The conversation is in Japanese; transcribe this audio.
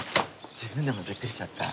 自分でもびっくりしちゃった。